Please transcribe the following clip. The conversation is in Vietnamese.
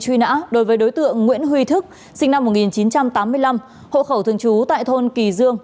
truy nã đối với đối tượng nguyễn huy thức sinh năm một nghìn chín trăm tám mươi năm hộ khẩu thường trú tại thôn kỳ dương